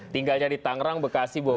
tinggalnya di tangerang bekasi bung ansi